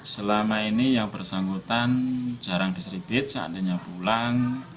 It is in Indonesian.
selama ini yang bersangkutan jarang di sribit seandainya pulang